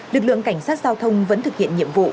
lực lượng cảnh sát giao thông vẫn thực hiện nhiệm vụ